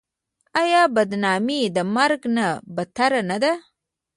آیا بدنامي د مرګ نه بدتره نه ده؟